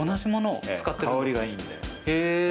香りがいいんで。